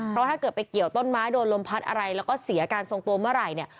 เพราะถ้าเกิดไปเกี่ยวต้นไม้โดนลมพัดอะไรแล้วก็เสียการทรงตัวเมื่อไหร่เนี่ย